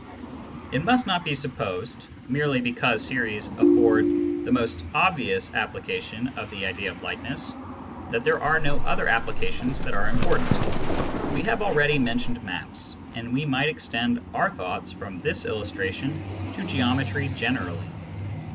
< It must not be supposed, merely because series afford the most obvious application of the idea of likeness, that there are no other applications that are important. We have already mentioned maps, and we might extend our thoughts from this illustration to geometry generally.